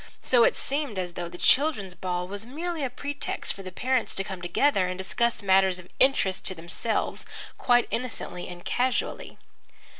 So it seemed as though the children's ball was merely a pretext for the parents to come together and discuss matters of interest to themselves, quite innocently and casually.